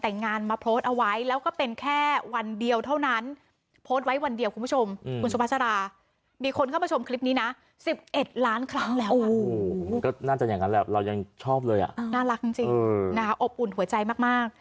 น่ารักจริงอบอุ่นหัวใจมาก